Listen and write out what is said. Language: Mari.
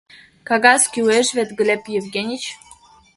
Кагаз кӱлеш вет, Глеб Евгеньыч?